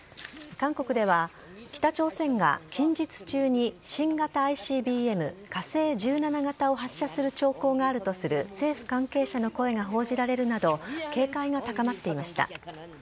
韓国では、北朝鮮が近日中に新型ＩＣＢＭ・火星１７型を発射する兆候があるとする政府関係者の声が報じられるなど、警戒が高まっていました。